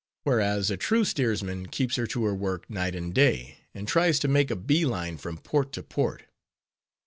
Whereas, a true steersman keeps her to her work night and day; and tries to make a bee line from port to port.